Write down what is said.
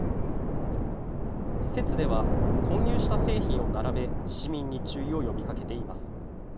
施設では、混入した製品を並べ市民に注意を呼びかけています。